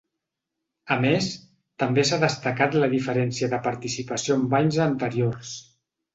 A més, també s’ha destacat la diferència de participació amb anys anteriors.